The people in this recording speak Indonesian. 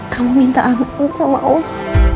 kamu minta ampun sama allah